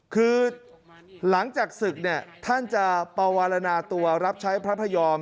คือหลังจากศึกท่านจะประวัลนาตัวรับใช้พระพยอม